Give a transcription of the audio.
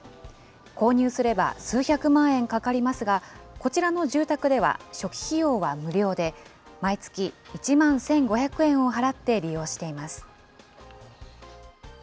購入すれば数百万円かかりますが、こちらの住宅では初期費用は無料で、毎月１万１５００円を払って利用しています。